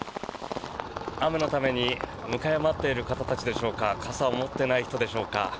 雨のために、迎えを待っている方たちでしょうか傘を持っていない人でしょうか。